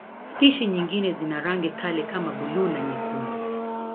Spishi nyingine zina rangi kali kama buluu na nyekundu.